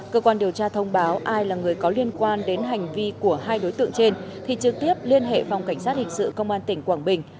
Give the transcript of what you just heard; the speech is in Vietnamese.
cơ quan điều tra thông báo ai là người có liên quan đến hành vi của hai đối tượng trên thì trực tiếp liên hệ phòng cảnh sát hình sự công an tỉnh quảng bình